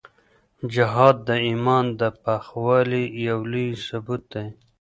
جهاد د ایمان د پخوالي یو لوی ثبوت دی.